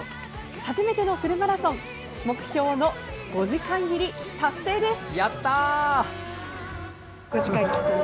初めてのフルマラソン目標の５時間切り、達成です。